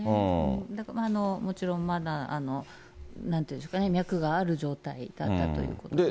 もちろんまだ、なんて言うんでしょうかね、脈がある状態だったということですよね。